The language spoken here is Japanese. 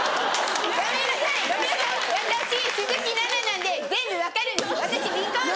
ごめんなさい私鈴木奈々なんで全部分かるんですよ。